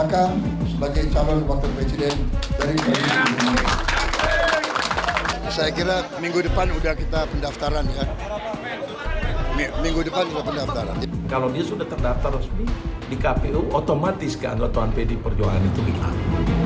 kalau dia sudah terdaftar resmi di kpu otomatis keandalan tuan fedy perjuangan itu hilang